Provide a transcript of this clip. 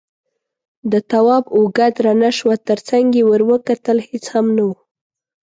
د تواب اوږه درنه شوه، تر څنګ يې ور وکتل، هېڅ هم نه و.